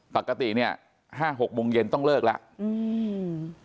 ปกติ๕๖โมงเย็นต้องเลิกแล้ว